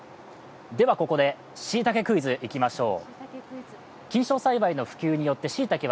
ではここでしいたけクイズ、いきましょう。